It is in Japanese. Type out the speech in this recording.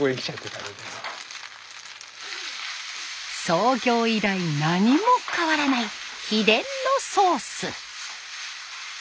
創業以来何も変わらない秘伝のソース。